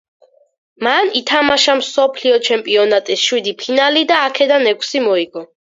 მან ითამაშა მსოფლიო ჩემპიონატის შვიდი ფინალი და აქედან ექვსი მოიგო.